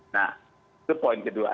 nah itu poin kedua